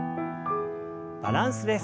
バランスです。